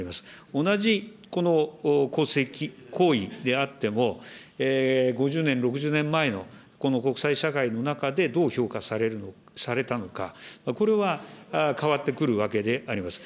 同じこの功績、行為であっても、５０年、６０年前のこの国際社会の中で、どう評価されたのか、これは変わってくるわけであります。